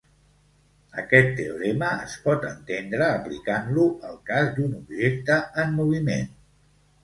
Aquest teorema es pot entendre aplicant-lo al cas d'un objecte en moviment.